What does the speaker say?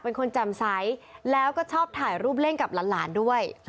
เป็นคนจำไซซ์แล้วก็ชอบถ่ายรูปเล่นกับหลานด้วย